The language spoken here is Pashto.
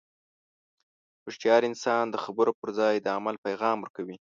هوښیار انسان د خبرو پر ځای د عمل پیغام ورکوي.